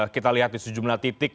kita lihat di sejumlah titik